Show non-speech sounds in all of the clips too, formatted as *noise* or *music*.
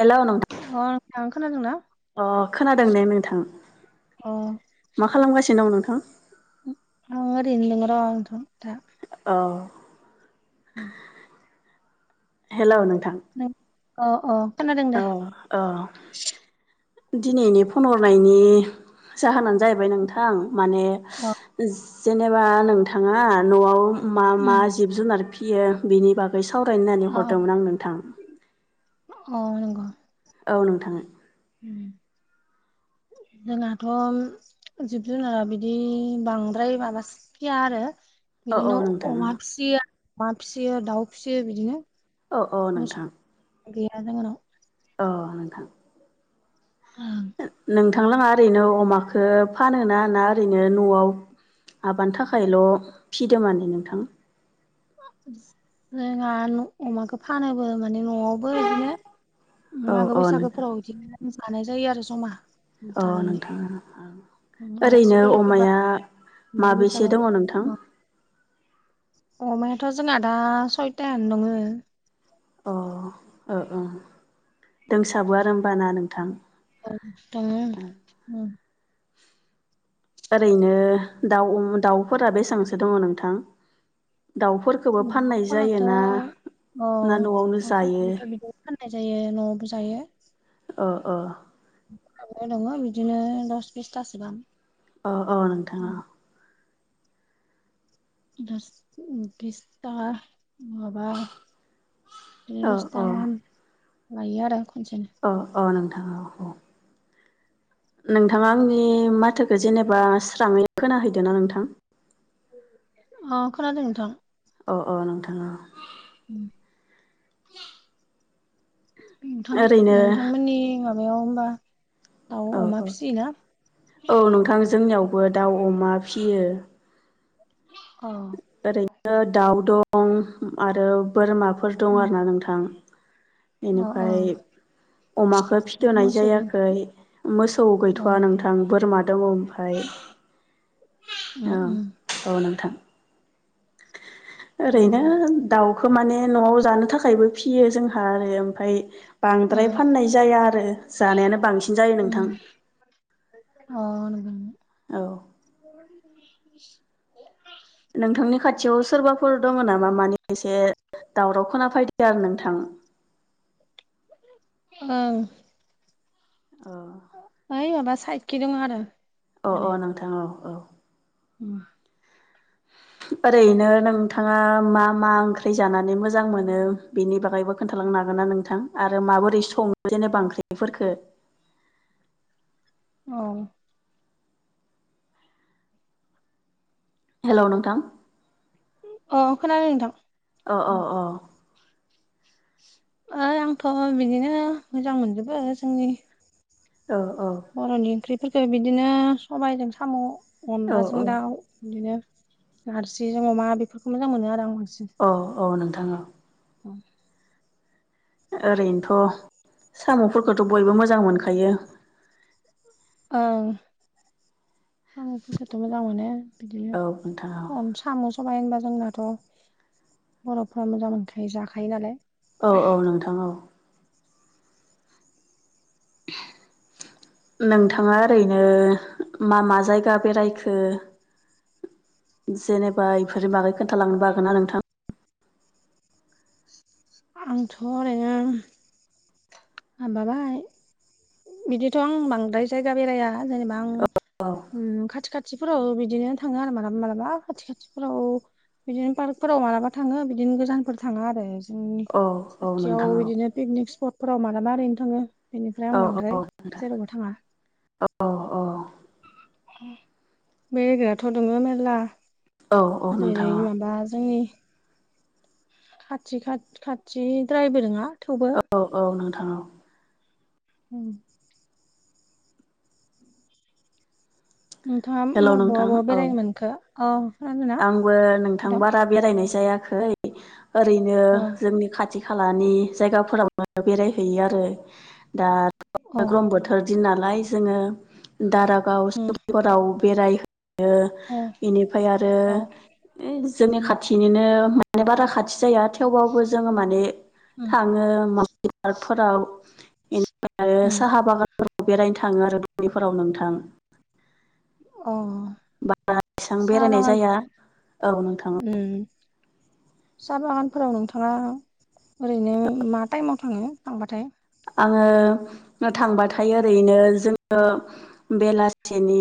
Hello नोंथां अ नोंथां खोनादोंना अ खोनादों ने नोंथां। अ मा खालामगासिनो दं नोंथां? ओ आं ओरैनो दंङो र नोंथां दा औ ओम हेलौ नोंथां अ अ खोनादों दे। ओ दिनैनि फन हरनायनि जाहोनानो जाहैबाय नोंथां माने अ जेनेबा नोंथाङा न'आव मा मा उम जिब जुनार फियो बिनि बागै सावराय होननानै अ हरदोंमोन आं नोंथां। अ नोंगौ औ नोंथां ओम जोंनाथ' जिब जुनारा बिदि बांद्राय माबा सि गिया आरो औ बिदिनो नोंथां अमा फिसियो अमा फिसियो दाउ फिसियो बिदिनो औ औ मोसौ नोंथां गैया जोंहानाव। अ नोंथां ओं नोंथांलाङा ओरैनो अमाखौ फानोना ना ओरैनो न'आव हाबानि थाखायल' फिदों माने नोंथां जोंहा न अमाखौ फानोबो माने न'आवबो बिदिनो औ मागो औ नोंथां बैसागोफोराव बिदिनो जानाय जायो आरो जमा अ बुथारनानै नोंथां ओं ओं ओरैनो आलासिफोर फैबा अमाया मागो माबैसे दङ नोंथां बैसागोआव अमायाथ' जोंङा दा सयथायानो दङ अ ओ ओ दोंसाबो आरो होमबा ना नोंथां औ दोंङो ओं ओरैनो दाउ दाउफोरा बेसेबांसो दङ नोंथां दाउफोर खौबो फाननाय न'फोराथ' जायोना अ ना न'आवनो जायो नफोरखौबोथ' बिदि फाननाय जायो न'आवबो जायो ओ ओ हाब्राया दङो बिदिनो दस बिसथासोबां अ अ नोंथाङा अ द बिस्ता माबा बिनो दसथा अ गाहाम लायो आरो खनसेनो अ अ नोंथां औ औ नोंथाङा आंनि माथोखौ जेनेबा स्राङै खोनाहैदों ना नोंथां अ खोनादों नोंथां अ अ नोंथां औ उम नोंथां ओरैनो नोंथांमोननि माब बायाव होमबा दाउ औ अमा औ फिसियोना? औ नोंथां जोंनियावबो दाउ, अमा फिसियो अ ओरैनो दाउ दं आरो बोरमाफोर दं आरोना नोंथां अ अ बेनिफ्राय अमाखो फिथनाय मोसौबो जायाखै मोसौ अ गैथ'आ नोंथा थां बोरमा दङ ओमफ्राय उम औ उम औ नोंथां औ ओरैनो ओं दाउखौ माने न'आव जानो थाखायबो फियो जोंहा आरो ओमफ्राय बांद्राय फाननाय जाया आरो जानायानो बांसिन जायो उम नोंथां अ नंगोन औ नोंथांनि खाथियाव सोरबाफोर दङ नामा माने एसे दावराव खोना फैदों आरो नोंथां औ अह ओइ माबा साइखि दं आरो अ माने अ नोंथां औ औ उम ओरैनो नोंथाङा मा मा ओंख्रि जानानै मोजां मोनो बेनि बागैबो खोन्थालांनो हागोना नोंथां आरो माबोरै संङो जेनेबा ओंख्रिफोरखौ औ हेलौ नोंथां अ खोनादों नोंथां अ अ अ ओ आंथ' बिदिनो मोजां मोनजोबो जोंनि औ औ बर'नि ओंख्रिफोरखौ बिदिनो सबायाइजों साम', औ अनदलाजों दाउ बिदिनो नारजि जों अमा बेफोरखौ मोजां मोनो आरो आं बांसिन अ औ नोंथां औ ओं ओरैनोथ' साम'फोरखौथ' बयबो मोजां मोनखायो ओं आंफोरखौथ' मोजां मोनो औ नोंथां औ बिदिनो अन साम' सबायबाय होनबा जोंनाथ' बर'फ्रा मोजां मोनखायो जाखायो नालाय। औ औ नोंथां औ। नोंथाङा ओरैनो मा मा जायगा बेरायखो जेनेबा इफोर बागै खोन्थालांनोबो बागोन ना नोंथां? आंथ' ओरैनो हाबाबाय बिदिथ' आं बांद्राय जायगा बेराया जेनेबा औ आं खाथि खाथि फोराव बिदिनो थाङो आरो मालाबा मालाबा खाथि खाथिफोराव बिदिनो पार्कफोराव मालाबा थाङो बिदिनो गोजानफोर थाङा आरो। जोंनि औ औ खाथियाव नोंथां औ बिदिनो पिकनिक स्पटफोराव माला मा ओरैनो थाङो बेनिफ्राय औ आं बांद्राय नोंथां जेरावबो थाङा। औ औ बेरायग्राथ' दङो मेर्ला औ औ जेरै नोंथां माबा जोंनि खाथि खा- खाथिद्रायबो नङा थेवबो औ औ औ नोंथां औ। उम। नोंथाङा हेलौ होमबा बहा नोंथां बहा औ बेरायनो मोनखो? अ खो आंबो नोंथां बारा बेरायनाय जायाखै ओरैनो अ जोंनि खाथि खालानि जायगाफोरावबो बेरायहैयो आरो दा अ ग्रह्म बोथोर दि नालाय जोङो दारागाव उम सुाव बेराय यो अ बेनिफ्राय आर ओ अ जोंनि खाथिनिनो माने बारा खाथि जाया थेवबाबबो जोङो माने उम थाङो माबि पार्कफोरावनिफ्राय आरो उम साहा बागान फोराव बेरायनो थाङो आरो दुबैफोराव नोंथां। अ बारा एसेबां साहा बेरायनाय बागान जाया औ नोंथां उम। साहा बागानफोराव नोंथाङा ओरैनो मा टाइमाव थाङो थांबाथाय। आङो थांबाथायायो ओरैनो जोङो बेलासिनि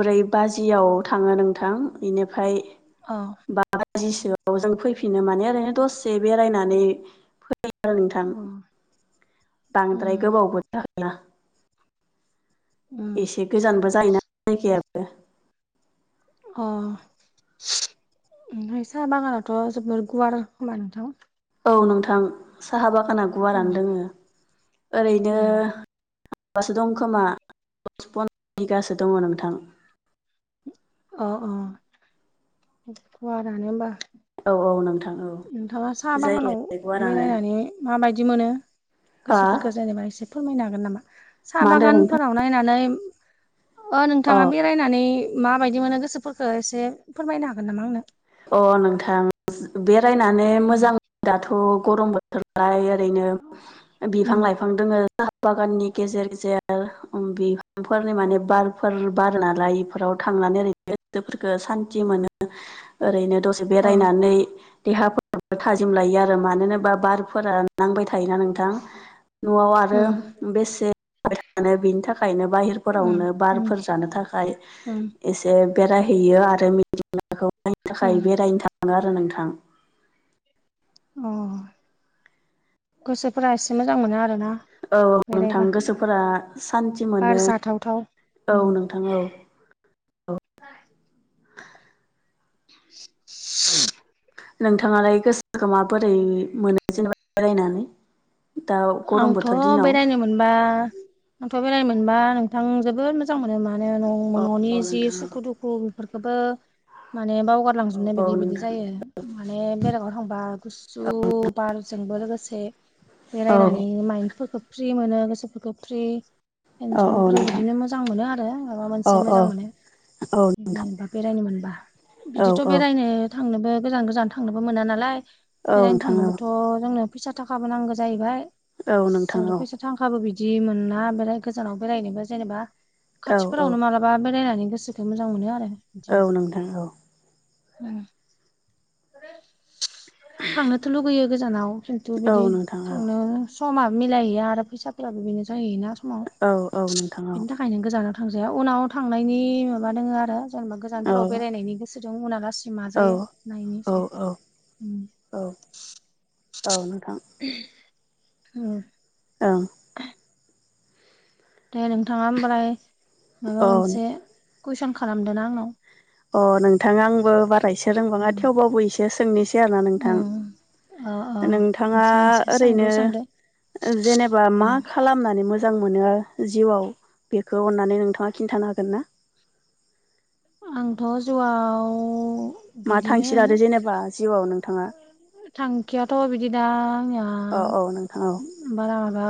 ब्रै बाजियाव थाङो नोंथां बेनिफ्राय अ बा बाजिसोआव जों फैफिनो माने ओरैनो दसे बेरायनानै फै आरो नोंथां। अ बांद्राय उम गोबावबो थाखया। उम एसे गोजानबो जायोना जायगायाबो। अ ओमफाय साहा बागानावथ' जोब गुवार होमा नोंथां? औ नोंथां साहा बागाना गुवारानो उम दोङो ओरैनो उम बासो दं खोमा दस पन बिगासो दङ नोंथां। अ अ गुवारानो होमबा। औ औ नों नोंथाङा साहा बागानाव गुवारानो बेरायनानै माबायदि मोनो हा गोसोफोरखौ जेनेबा एसे फोरमायनो हागोन नामा साहा मा होनदों नोंथां बागानफोराव नायनानै ओ औ नोंथाङा बे रायनानै माबायदि मोनो गोसोफोरखौ एसे फोरमायनो हागोन नामा आंनो। अ नोंथां बेरायनानै उम मोजां दाथ' गरमबो थोरहाय ओरैनो बिफां उम लाइफां दोङो। हा बागाननि गेजेर गेजेर बिफांफोरनि माने बालफोर बार ना लाय। फोराव थांनानै ओरैनो गोदोफोरखौ सान्त मोनो। ओरैनो दसे अ बेरायनानै देहाफ थाजिम लायो आरो मान होनोबा बारफोरा नांबाय थायोना नोंथां। नआव आरो उम बेसे जाबाय थानो बेनि थाखायनो बाहेर उम फोरावनो उम बारफोर जानो थाखाय उम एसे बेरायहैयो आरो मिदनाखौ नाय थाखाय उम बेरायनो थाङो आरो नोंथां। अ गोसोफोरा एसे मोजां मोनो आरोना। औ नोंथां बेरायबा गोसोफोरा सान्थि बार मोनो जाथावथाव औ नोंथां औ ह *inaudible* नोंथाङालाय गोसोखौ माबोरै मोनो जेनेबा बेरायनानै दा गरम आंथ बोथोर दिनाव बेरायनो मोनबा आंथ बेरायनो मोनबा नोंथां जोबोद मोजां मोनो मानो न न'नि औ जि नोंथां सुखु दुखु बेफोरखौ बे खौबो माने औ बावगारलांजोबनाय औ बायदि बिदि नोंथां जायो माने बेलेगाव थांबा गस जु बारजोंबो लोगोसे औ बेरायनानै माइन्डफोरखौ फ्रि मोनो गोसोफोरखौ फ्रि औ औ पेनसन फ्रि नोंथां बिदिनो मोजां मोनो आरो माबा औ मोनसे औ मोजां मोनो औ नोंथां नबा बेरायनो मोनबा औ बिदिथ बेरायनो थांनोबो गोजान गोजान थांनोबो मोना नालाय औ बेनो नोंथां औ थांनोबोथ जोंनो फैसा थाखााबो नांगोन जाहैबाय औ नोंथां जोंनो औ फैसा थांखाबो बिदि मोना बे गोजानाव बेरायनोबो जेनेबा औ नोंथां औ नोंथां औ खाथिफोरावनो मालाबा माबा बेरायनानै गोसोखो मोजां मोनो आरो बिदिनो औ नोंथां औ थांनोथ लगैयो गोजानाव थ बिदि थांनो समा मिलायहैया आरो फैसाफोराबो बेनो जाहैयोना समाव नोंथां औ बेनि थाखाय ओखायनो गोजानाव थांजाया उनाव थांनायनि माबा दङो आरो जेनेबा गोजानफोराव बेरायनायनि गोसो दं उन गासि औ माजायो नायनोसै औ औ औ नोंथां औ औ दे नोंथाङा होमबालाय माबा औ मोनसे कुइसन खालामदा आंनाव अ नोंथाङा आंबो बारायसो रोंबाङा उम थेवबाबो एसे सोंनोसै आरोना नोंथां उम अ अ नोंथाङा मोनसे एसे ओरैनो सोंलु सोंदो जेनेबा मा उम खालामनानै मोजां मोजां मोनो जिउआव बेखौ अननानै नोंथाङा खिन्थानो हागोन ना आंथ' जिउआव मा थांसि बिदिनो लादो जेनेबा जिउआव नोंथाङा थांखियाथ बिदि दा आंया औ औ नोंथां औ बारा माबा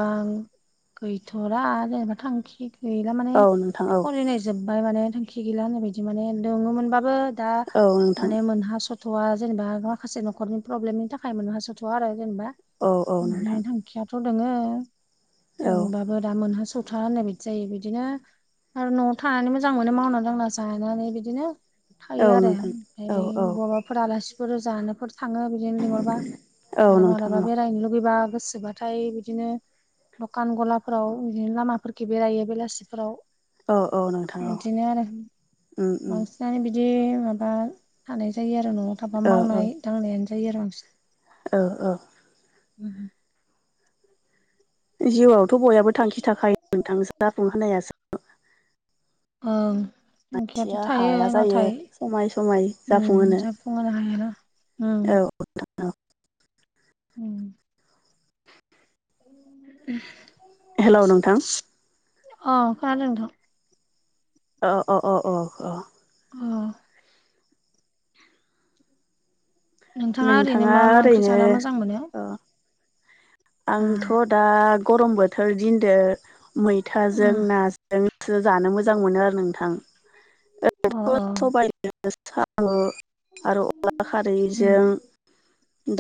गैथरा जेनेबा थांखि गैला माने औ नोंथां औ फरायनाय जोबबाय माने थांखि गैला होननाय बायदि माने दङोमोनबाबो दा औ नोंथां माने मोनह स'थ'वआ जेनेबा माखासे न'खरनि प्रब्लेमनि थाखाय मोनहास स'थ'आ आरो जेनेबा औ औ नोंथां थांखियाथ' दोङो औ जोंबाबो दा मोनहास बथा होननाय बिदि जायो बिदिनो आरो न'आव थानानै मोजां मोनो मावना दांना जानानै बिदिनो थायो औ आरो नोंथां ओमफ्राय औ औ बबाबा फोरफोर आलासिफोर जानोफोर थाङो बिदिनो लिंहरबा औ नोंथां औ आरो नोंथां माबलाबा औ बेरायनो लुुबैबा गोसोबा ओमफ्राय बिदिनो दखान गलाफोराव बिदिनो लामाफोराव बेरायो बेलासिफोराव ओ बिदिनो आरो मा बिनो बिदि माबा थानाय जायो आरो न'आव थाबा मावनाय दांनायानो जायो आरो बांसिन औ औ उ जिउआवथ' बयहाबो थांखि थाखायो नोंथां जाफुंहोनायासो ओं थांखियाथ' मिथिया थायो हाया जायो नाथाय समाय समाय उम जाफुंहोनो जा *unintelligible* उम *unintelligible* उ उ हेलौ नोंथां? अह खोनादों नोंथां। अ अ अ अ अ। अह। नोंथाङा ओरैनो मा मा ओंख्रि जाना मोजां मोनो? अ आ आंथ' दा गरम बोथोर दिनदो मैथाजों ना दोसो जानो मोजां मोनो आरो नोंथां। अ अ। सामु आरो अला उम खारैजों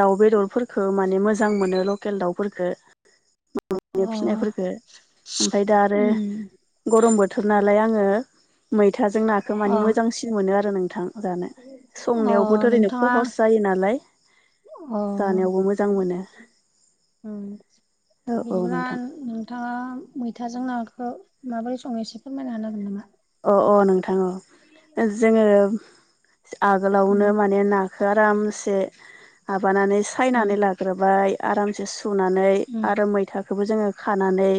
दाउ बेदरफोरखौ माने मोजां मोनो लकेल दाउफोरखौ। अ *unintelligible* ओमफ्राय दा आरो उम गरम बोथोर ना दालाय आङो मैथाजों नाखौ माने अ मोजांसिन मोनो आरो नोंथां जानो, अ संनायावबोथ' ओरैनो नोंथाङा खहस जायो नालाय, अ जानायावबो मोजां मोनो। ओं औ औ बिदिब्ला नोंथां नों थाङा मैथाजों नाखौ माबोरै सङो, एसे फोरमायना हागोन नामा? अ अ नोंथां अ, जोङो उम आगोलावनो माने ना खो आरामसे माबानानै उम सायनानै लाग्रोबाय आरामसे सुनानै उम आरो मैथाखौबो जोङो खानानै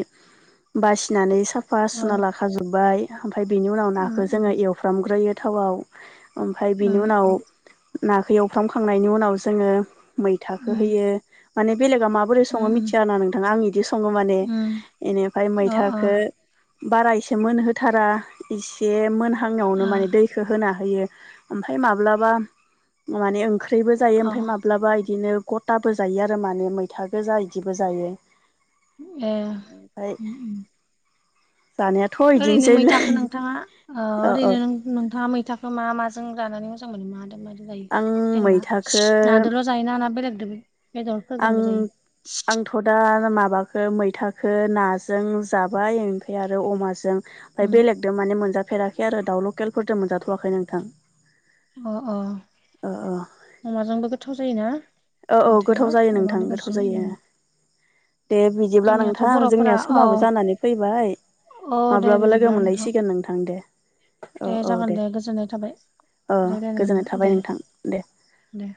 बासिनानै साफा सुना अ लाखा जुब्बाय, ओमफ्राय बेनि उनाव उम नाखौ जोङो उम एवफ्रामग्रोयो थावआव। ओमफफ्राय उम बेनि उनाव उम नाखौ एवफ्रामखांनायनि उनाव जोङो मैथाखो उम होयो माने बेलेगा मा बोरै सङो उम उम मिथिया ना नोंथां, आं बिदि सङो माने। बेनिफ्राय उम अ मैथाखौ बारा एसे मोनहोथारा इसे मोनहांनायावनो आ माने दैखौ होना होयो। ओमफ्राय माब्लाबा माने ओंख्रिबो जायो अ ओमफ्राय माब्लाबा बिदिनो ग दाबो जायो आरो माने मैथा गोजा इदिबो जायो। ए ओमफ्राय उम उम दानिया। ओरैनो मैथाखो नोंथाङा ओ औ औ ओरैनो नोंथाङा मैथाखौ मा माजों जानानै मोजां मोनो मादो मादो जायो आं जेनेबा मैथाखो नादोल' जायोना ना बेलेग दं? आं आंथ' दा माबाखो मैथाखो नाजों जाबाय, ओमफ्राय आरो अमाजों। ओमफफ्राय उम बेलेगदो माने मोनजाफेराखै आरो दाउ लकेलफोरजों मोनजाथ'वाखै नोंथां। अ'अ' ओ ओ अमाजोंबो गोथाव जायोना? औ औ मैथाया गोथाव जायो अमा नोंथां गोथाव बेदरजों जायो। उम दे बि बिदिब्ला जोंनियाथ' नोंथां बर'फोरा जोंनिया औ समाबो जानानै फैबाय औ दे माब्लाबा लोगो बिदिब्ला मोनलायसिगोन नोंथां दे। औ औ जागोन दे, गोजोननाय थाबाय ओ रायलायनो मोनना गोजोननाय दे थाबाय नोंथां दे। दे।